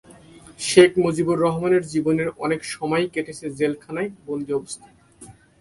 শেখ মুজিবুর রহমানের জীবনের অনেক সময়ই কেটেছে জেলখানায় বন্দি অবস্থায়।